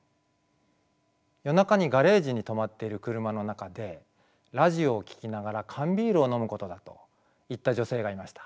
夜中にガレージに止まっている車の中でラジオを聞きながら缶ビールを飲むことだと言った女性がいました。